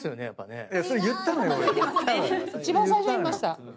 一番最初に言いました。